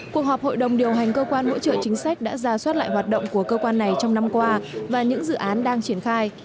cuộc họp hội đồng điều hành cơ quan hỗ trợ chính sách đã ra soát lại hoạt động của cơ quan này trong năm qua và những dự án đang triển khai